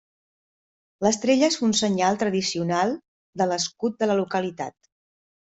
L'estrella és un senyal tradicional de l'escut de la localitat.